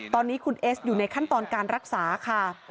ตอนนี้คุณเอสอยู่ในขั้นตอนการรักษาค่ะ